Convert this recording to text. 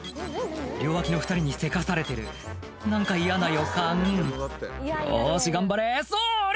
両脇の２人にせかされてる何か嫌な予感よし頑張れそれ！